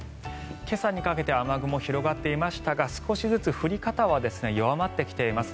今朝にかけて雨雲、広がっていましたが少しずつ降り方は弱まってきています。